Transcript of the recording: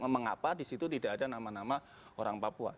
mengapa disitu tidak ada nama nama orang papua